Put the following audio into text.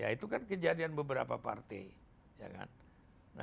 itu kan kejadian beberapa partai